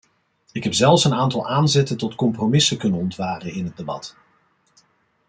Ik heb zelfs een aantal aanzetten tot compromissen kunnen ontwaren in het debat.